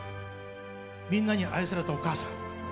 みんなに愛されたお母さん。